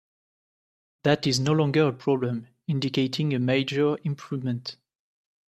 That is no longer a problem, indicating a major improvement.